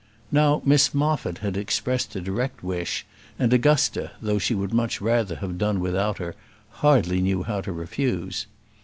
Now Miss Moffat had expressed a direct wish, and Augusta, though she would much rather have done without her, hardly knew how to refuse.